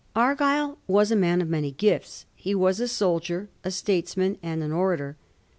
Argyll was a man of many gifts. He was a soldier, a statesman^ and an orator.